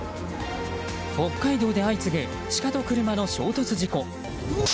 北海道で相次ぐシカと車の衝突事故。